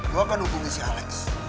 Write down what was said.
gue akan hubungi si alex